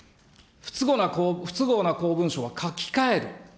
不都合な公文書は書き換える。